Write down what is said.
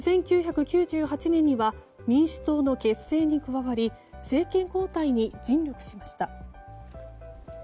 １９９８年には民主党の結成に加わり政権交代に尽力しました。